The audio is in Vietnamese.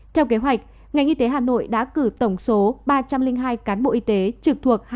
theo kế hoạch ngành y tế hà nội đã cử tổng số ba trăm linh hai cán bộ y tế trực thuộc